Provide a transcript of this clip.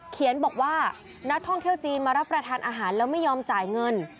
เขียนบอกว่านักท่องเที่ยวจีนมารับประทานอาหารแล้วไม่ยอมจ่ายเงิน